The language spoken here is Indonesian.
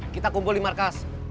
kita kumpul di markas